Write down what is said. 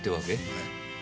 はい。